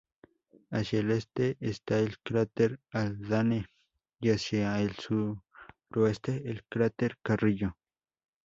Hacia el este está el cráter Haldane, y hacia el suroeste el cráter Carrillo.